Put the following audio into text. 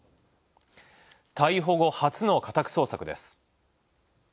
逮捕後初の家宅捜索です。